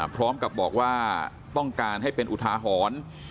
พร้อมกับบอกว่าต้องการให้เป็นอุทาหรณ์